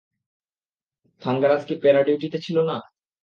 থাঙ্গারাজ কী প্যারা-ডিউটিতে ছিল না?